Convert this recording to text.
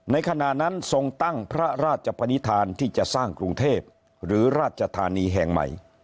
ขณะนั้นทรงตั้งพระราชปนิษฐานที่จะสร้างกรุงเทพหรือราชธานีแห่งใหม่